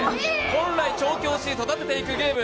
本来調教師、育てていくゲーム。